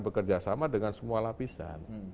bekerja sama dengan semua lapisan